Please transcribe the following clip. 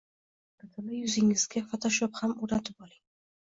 Men Birato'la, yuzingizga Photoshop ham o'rnatib oling!